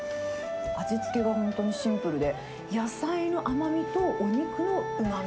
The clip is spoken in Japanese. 味付けも本当にシンプルで、野菜の甘みと、お肉のうまみ。